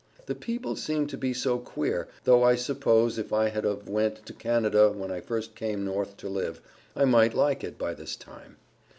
The people seem to be so queer though I suppose if I had of went to Canada when I first came North to live, I might like it by this time.